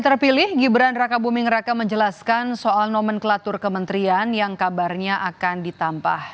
terpilih gibran raka buming raka menjelaskan soal nomenklatur kementerian yang kabarnya akan ditambah